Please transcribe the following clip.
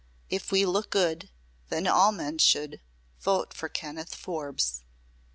If we look good, Then all men should Vote for Kenneth Forbes!"